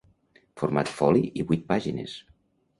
Format foli i vuit pàgines.